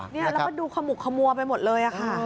แล้วก็ดูขมุกขมัวไปหมดเลยค่ะ